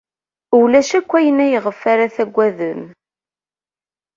Ulac akk ayen ayɣef ara taggadem.